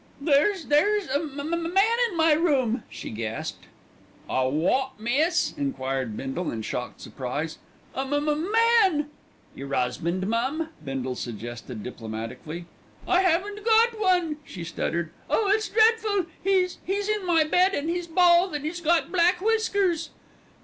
"There's there's a a m m man in my room," she gasped. "A wot, miss?" enquired Bindle in shocked surprise. "A m m man." "Yer 'usband, mum," Bindle suggested diplomatically. "I haven't got one," she stuttered. "Oh! it's dreadful. He he's in my bed, and he's bald, and he's got black whiskers."